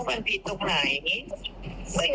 คุณแม่งั้นมีอะไรอยากจะบอกผ่านสื่อ